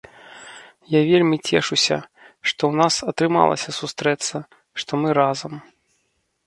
Я вельмі цешуся, што у нас атрымалася сустрэцца, што мы разам.